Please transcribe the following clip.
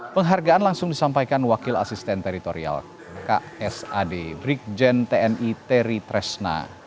penghargaan langsung disampaikan wakil asisten teritorial ksad brikjen tni teri tresna